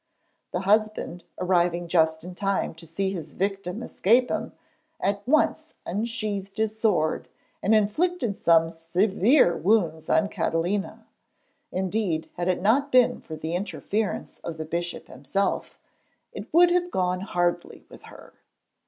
The husband, arriving just in time to see his victim escape him, at once unsheathed his sword, and inflicted some severe wounds on Catalina. Indeed, had it not been for the interference of the bishop himself, it would have gone hardly with her.